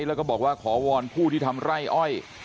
แล้วก็บอกว่าขอวอนผู้ที่ทำไร่อ้อย